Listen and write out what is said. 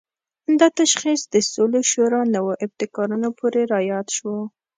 دا تشخیص د سولې شورا نوو ابتکارونو پورې راياد شو.